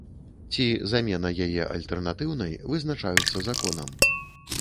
Ці замена яе альтэрнатыўнай вызначаюцца законам.